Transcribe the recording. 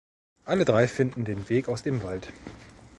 Alle drei finden den Weg aus dem Wald.